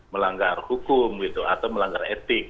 melanggar hukum gitu atau melanggar etik